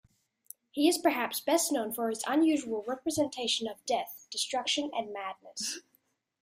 He is perhaps best known for his unusual representation of death, destruction and madness.